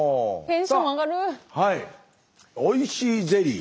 おいしいゼリー。